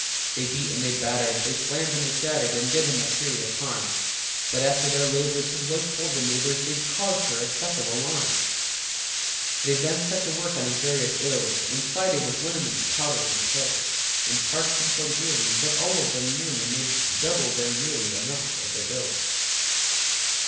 They beat and they battered, They slammed and they shattered, And did him such serious harm, That, after their labors, His wife told the neighbors They'd caused her excessive alarm! They then set to work on his various ills, And plied him with liniments, powders, and pills, And charged him so dearly That all of them nearly Made double the yearly amount of their bills.